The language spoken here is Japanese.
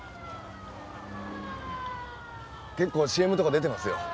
結構ＣＭとか出てますよ。